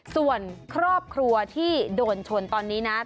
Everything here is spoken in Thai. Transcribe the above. ส่วนครอบครัวที่โดนชนตอนนี้นะ